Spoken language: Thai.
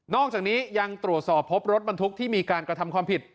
อกจากนี้ยังตรวจสอบพบรถบรรทุกที่มีการกระทำความผิด